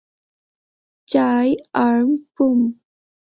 চাই, আর্ম, পুম।